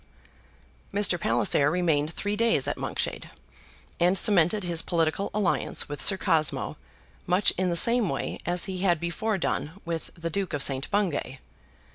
Mr. Palliser remained three days at Monkshade, and cemented his political alliance with Sir Cosmo much in the same way as he had before done with the Duke of St. Bungay.